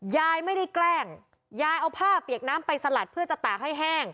ยายไม่ได้แกล้งยายเอาผ้าเปียกน้ำไปสลัดเพื่อจะตากให้แห้ง